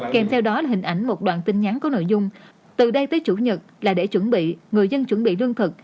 kèm theo đó là hình ảnh một đoạn tin nhắn có nội dung từ đây tới chủ nhật là để chuẩn bị người dân chuẩn bị lương thực